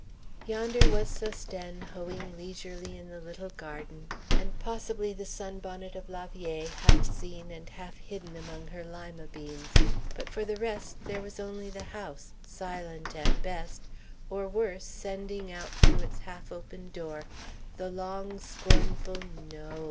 Yonder was Sosthène hoeing leisurely in the little garden, and possibly the sunbonnet of la vieille half seen and half hidden among her lima beans; but for the rest there was only the house, silent at best, or, worse, sending out through its half open door the long, scornful No o o!